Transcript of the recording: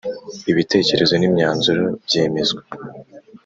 ibitekerezo n imyanzuro byemezwa.